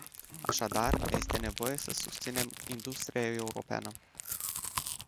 Așadar este nevoie să susținem industria europeană.